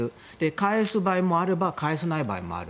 返す場合もあれば返さない場合もある。